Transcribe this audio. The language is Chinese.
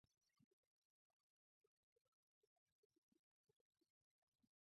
弘治四年受封泾王。